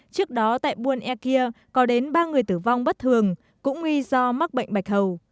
trước đó tại buôn e kia có đến ba người tử vong bất thường cũng nguy do mắc bệnh bạch hầu